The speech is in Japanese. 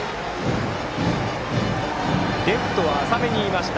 レフトは浅めにいました。